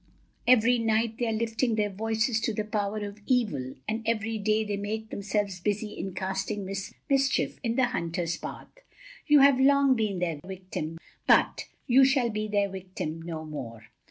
Every night they are lifting their voices to the Power of Evil, and every day they make themselves busy in casting mischief in the hunter's path. You have long been their victim, but you shall be their victim no more.